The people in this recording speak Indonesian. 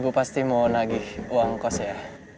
ibu pasti mau nagih uang kos ya